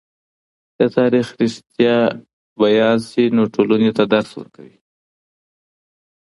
که تاریخ رښتیا بيان سي، نو ټولني ته درس ورکوي.